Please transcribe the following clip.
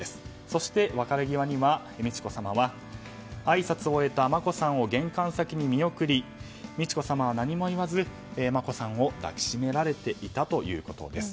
そして別れ際には美智子さまはあいさつを終えた眞子さんを玄関先に見送り、美智子さまは何も言わず、眞子さんを抱きしめられていたということです。